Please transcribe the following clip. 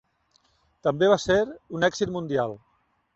També va ser un èxit mundial.